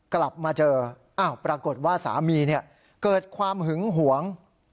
กลับมาเจอปรากฏว่าสามีเกิดความหึงหวง